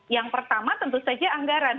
yang pertama tentu saja anggaran